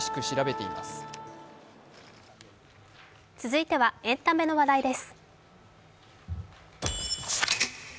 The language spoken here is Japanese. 続いてはエンタメの話題です。